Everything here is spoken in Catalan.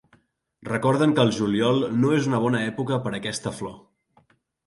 Recorden que el juliol no és una bona època per a aquesta flor.